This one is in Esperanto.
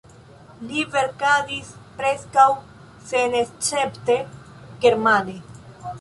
Li verkadis preskaŭ senescepte germane.